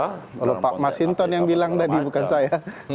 kalau pak masinton yang bilang tadi bukan saya